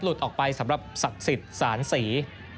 หลุดออกไปสำหรับศักดิ์ศิสานสี